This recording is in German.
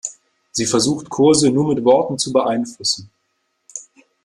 Sie versucht Kurse nur mit Worten zu beeinflussen.